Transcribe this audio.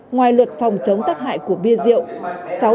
ngoài luật phòng chống tắc hại của bia rượu